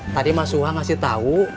tadi mas suha ngasih tahu